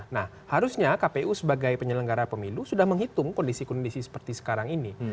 nah harusnya kpu sebagai penyelenggara pemilu sudah menghitung kondisi kondisi seperti sekarang ini